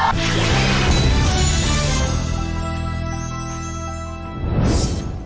ถูกถูกถูกถูกถูก